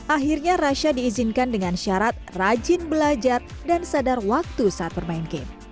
akhirnya rasha diizinkan dengan syarat rajin belajar dan sadar waktu saat bermain game